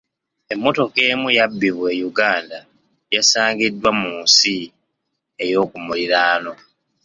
Emmotoka emu yabbibwa e Uganda yasangiddwa mu nsi ey'okumuliraano.